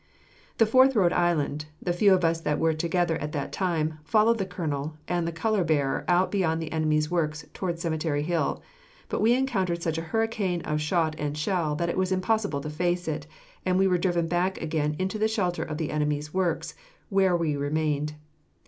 The Fourth Rhode Island, the few of us that were together at that time, followed the colonel and the color bearer out beyond the enemy's works towards Cemetery Hill, but we encountered such a hurricane of shot and shell that it was impossible to face it, and we were driven back again into the shelter of the enemy's works, where we remained.